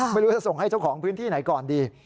ไม่รู้จะส่งให้เจ้าของพื้นที่ไหนก่อนดี